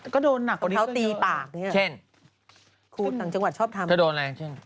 ก็โดนหนักกว่านิดหนึ่งเป็นเยอะคุณนังจังหวัดชอบทำถ้าโดนอะไร